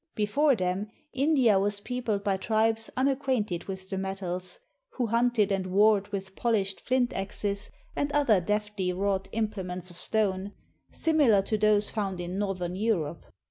Before them, India was peo pled by tribes imacquainted with the metals, who hunted and warred with polished flint axes and other deftly wrought implements of stone, similar to those found in northern Europe.